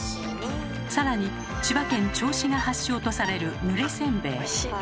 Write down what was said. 更に千葉県銚子が発祥とされるぬれせんべい。